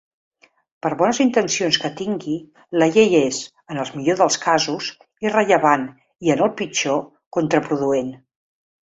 Per bones intencions que tingui, la llei és, en el millor dels casos, irrellevant i, en el pitjor, contraproduent.